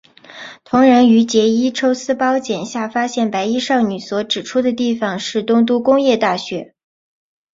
桐人与结依抽丝剥茧下发现白衣少女所指出的地方是东都工业大学。